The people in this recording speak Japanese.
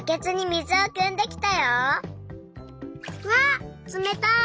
わっつめたい！